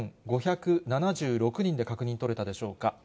２万１５７６人で確認取れたでしょうか。